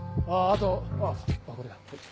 あとあぁこれだ。